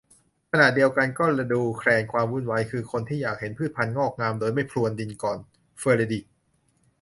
ขณะเดียวกันก็ดูแคลนความวุ่นวาย คือคนที่อยากเห็นพืชพันธุ์งอกงามโดยไม่พรวนดินก่อน - เฟรเดอริค